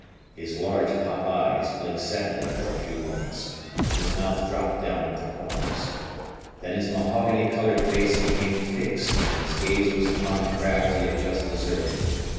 His large pop eyes blinked sadly for a few moments, and his mouth dropped down at the corners. Then his mahogany colored face became fixed and his gaze was upon the craft he had just deserted.